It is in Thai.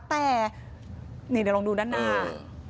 แต่นี่เดี๋ยวลองดูด้านหน้า